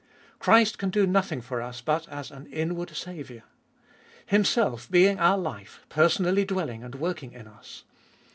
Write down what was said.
Christ can do nothing for us but as an inward Saviour. Himself being our life, per sonally dwelling and working in us.